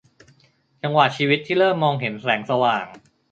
จังหวะชีวิตที่เริ่มมองเห็นแสงสว่าง